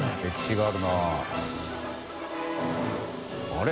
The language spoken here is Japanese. あれ？